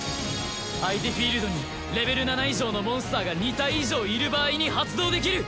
相手フィールドにレベル７以上のモンスターが２体以上いる場合に発動できる。